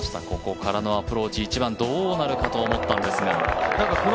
ここからのアプローチ１番、どうなるかと思ったんですか。